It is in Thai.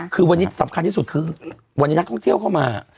คือวันนี้สำคัญที่สุดคือวันนี้นักท่องเที่ยวเข้ามา